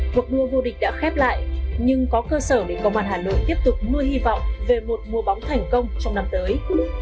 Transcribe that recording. cuộc đua vô địch đã khép lại nhưng có cơ sở để công an hà nội tiếp tục nuôi hy vọng về một mùa bóng thành công trong năm tới